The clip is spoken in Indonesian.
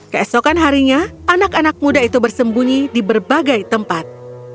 keesokan harinya anak anak muda itu bersembunyi di berbagai tempat